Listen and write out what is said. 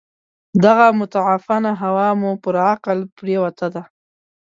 دغه متعفنه هوا مو پر عقل پرېوته ده.